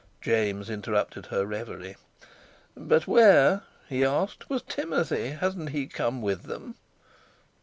James interrupted her reverie: "But where," he asked, "was Timothy? Hadn't he come with them?"